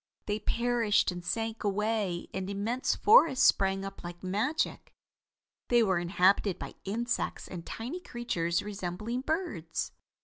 They perished and sank away and immense forests sprang up like magic. They were inhabited by insects and tiny creatures resembling birds.